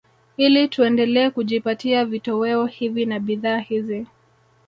Ili tuendelee kujipatia vitoweo hivi na bidhaa hizi